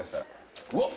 うわっ！